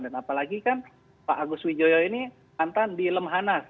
dan apalagi kan pak agus widjoyo ini hantar di lemhanas